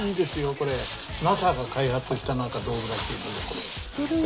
これＮＡＳＡが開発したなんか道具だって言ってましたこれ。